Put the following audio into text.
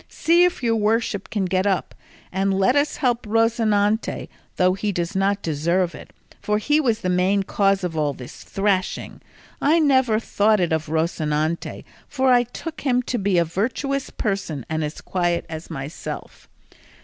See if your worship can get up, and let us help Rocinante, though he does not deserve it, for he was the main cause of all this thrashing. I never thought it of Rocinante, for I took him to be a virtuous person and as quiet as myself.